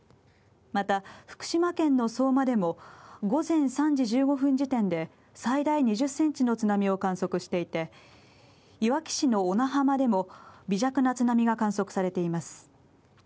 また、福島県の相馬でも午前３時１５分時点で、最大２０センチの津波を観測していて、いわき市の小名浜でも微弱な津波が観測されています。